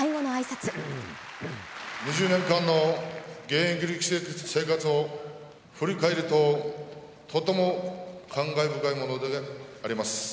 ２０年間の現役力士生活を振り返ると、とても感慨深いものであります。